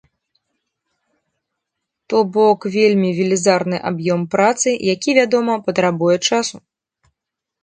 То бок вельмі велізарны аб'ём працы, які, вядома, патрабуе часу.